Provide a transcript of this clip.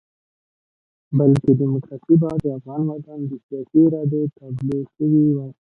بلکې ډیموکراسي به د افغان وطن د سیاسي ارادې تابلو شوې وای.